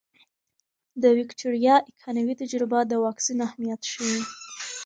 د ویکتوریا ایکانوي تجربه د واکسین اهمیت ښيي.